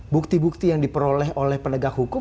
bukti bukti yang diperoleh oleh penegak hukum